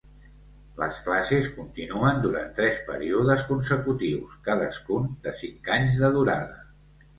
Les classes continuen durant tres períodes consecutius, cadascun de cinc anys de durada.